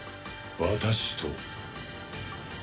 私と。